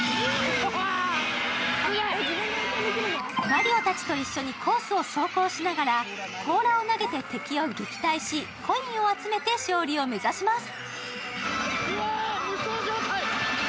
マリオたちと一緒にコースを走行しながらこうらを投げて敵を撃退しコインを集めて勝利を目指します。